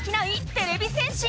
てれび戦士。